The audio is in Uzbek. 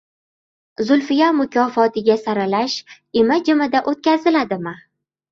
Zulfiya mukofotiga saralash imi-jimida o‘tkaziladimi?